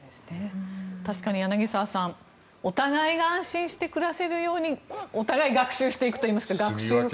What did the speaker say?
確かに柳澤さんお互いが安心して暮らせるようにお互いに学習していくといいますか学習放獣という。